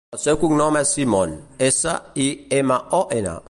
El seu cognom és Simon: essa, i, ema, o, ena.